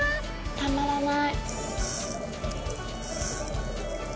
たまらない。